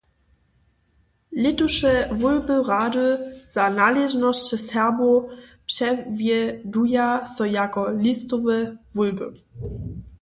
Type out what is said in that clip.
Lětuše wólby Rady za naležnosće Serbow přewjeduja so jako listowe wólby.